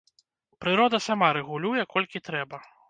Прырода сама рэгулюе, колькі трэба.